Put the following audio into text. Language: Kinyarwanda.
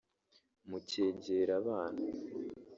mukegera abana